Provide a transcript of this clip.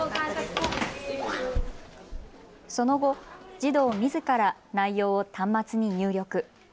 その後、児童みずから内容を端末に入力。